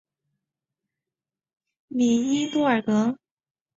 米伊多尔格。